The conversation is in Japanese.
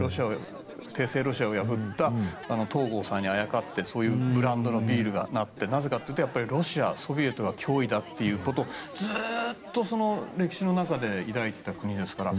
帝政ロシアに東郷さんにあやかって、そういうブランドのビールがあってなぜかというとソ連、ロシアが脅威だということをずっと歴史の中で抱いていた国ですから。